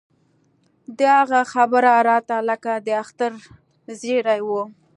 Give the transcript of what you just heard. د هغه خبره راته لکه د اختر زېرى و.